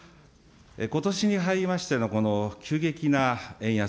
ことしに入りましてのこの急激な円安。